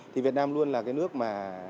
thì việt nam luôn là cái nước mà